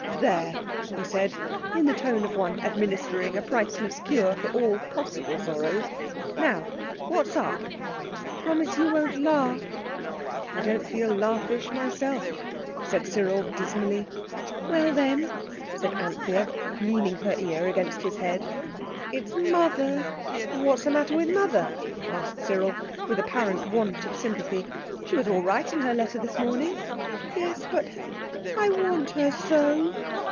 "There!" he said, in the tone of one administering a priceless cure for all possible sorrows. "Now, what's up?" "Promise you won't laugh?" "I don't feel laughish myself," said Cyril, dismally. "Well, then," said Anthea, leaning her ear against his head, "it's Mother." "What's the matter with Mother?" asked Cyril, with apparent want of sympathy. "She was all right in her letter this morning." "Yes; but I want her so."